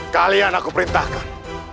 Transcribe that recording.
kalian aku perintahkan